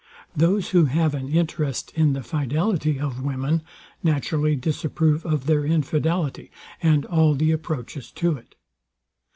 Those, who have an interest in the fidelity of women, naturally disapprove of their infidelity, and all the approaches to it.